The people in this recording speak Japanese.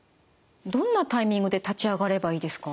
どんなタイミングで立ち上がればいいですか？